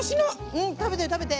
うん食べて食べて。